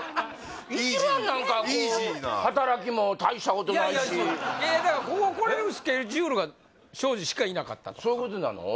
一番何かこうイージーな働きも大したことないしいやだからここ来れるスケジュールが庄司しかいなかったとかそういうことなの？